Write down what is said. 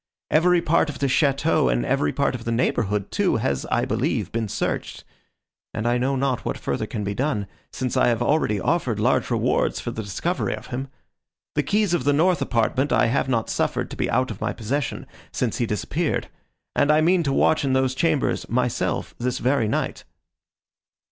Every part of the château and every part of the neighbourhood, too, has, I believe, been searched, and I know not what further can be done, since I have already offered large rewards for the discovery of him. The keys of the north apartment I have not suffered to be out of my possession, since he disappeared, and I mean to watch in those chambers, myself, this very night."